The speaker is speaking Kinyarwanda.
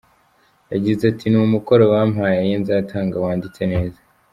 Yagize ati “ Ni umukoro bampaye nzatanga wanditse neza.